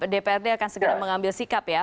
dprd akan segera mengambil sikap ya